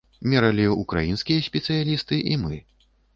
Мералі ўкраінскія спецыялісты і мы.